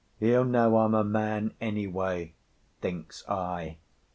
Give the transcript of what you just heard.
"He'll know I'm a man, anyway," thinks I.